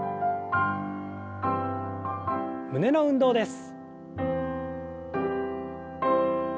胸の運動です。